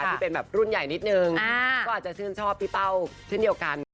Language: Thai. ที่เป็นแบบรุ่นใหญ่นิดนึงก็อาจจะชื่นชอบพี่เป้าเช่นเดียวกัน